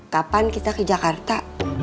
kapan kita ke jakarta